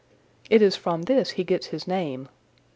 It is from this he gets his name.